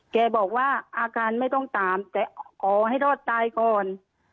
แกบอกว่าอาการไม่ต้องตามแต่ขอให้รอดตายก่อน